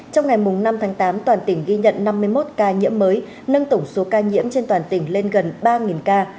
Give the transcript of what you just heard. trong ngày năm tháng tám toàn tỉnh ghi nhận năm mươi một ca nhiễm mới nâng tổng số ca nhiễm trên toàn tỉnh lên gần ba ca